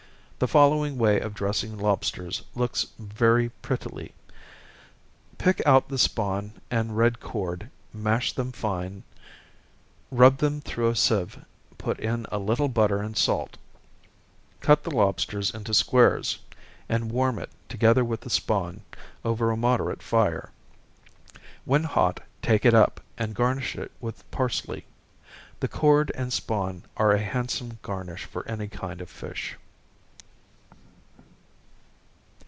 The following way of dressing lobsters looks very prettily. Pick out the spawn and red chord, mash them fine, rub them through a sieve, put in a little butter and salt. Cut the lobsters into squares, and warm it, together with the spawn, over a moderate fire. When hot, take it up, and garnish it with parsely. The chord and spawn are a handsome garnish for any kind of fish.